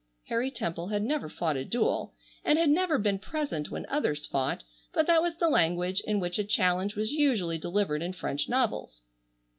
Harry Temple had never fought a duel, and had never been present when others fought, but that was the language in which a challenge was usually delivered in French novels.